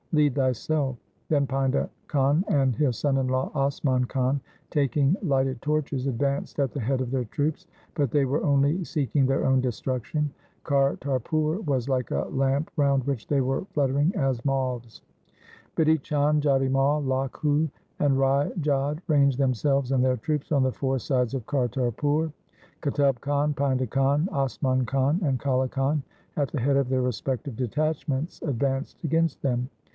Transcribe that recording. Lead thyself.' Then Painda Khan and his son in law, Asman Khan, taking lighted torches advanced at the head of their troops, but they were only seeking their own destruction. Kartarpur was like a lamp round which they were fluttering as moths. Bidhi Chand, Jati Mai, Lakhu, and Rai Jodh ranged themselves and their troops on the four sides of Kartarpur. Qutub Khan, Painda Khan, Asman Khan, and Kale Khan, at the head of their respective detachments, advanced against them.